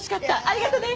ありがとね。